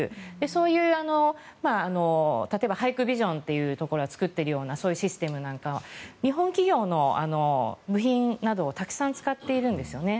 そういう例えばハイクビジョンというところが作っているようなシステムなんかは日本企業の部品などをたくさん使っているんですよね。